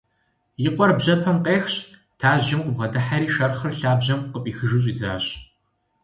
И къуэр бжьэпэм къехщ, тажьджэм къыбгъэдыхьэри шэрхъыр лъабжьэм къыфӀихыжу щӀидзащ.